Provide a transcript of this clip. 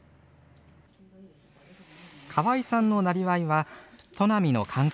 河合さんのなりわいは砺波の観光ＰＲ。